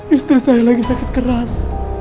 istri saya lagi sakit keras